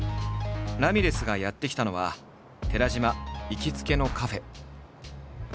ラミレスがやって来たのは寺島行きつけのカフェ。